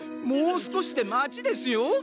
もう少しで町ですよ。